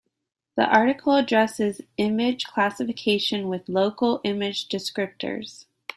The article addresses image classification with local image descriptors.